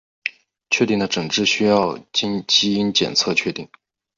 确定的诊治需要经基因检测确定。